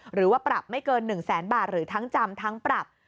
หรือว่าปรับไม่เกิน๑แสนบาทหรือทั้งจำทั้งปรับ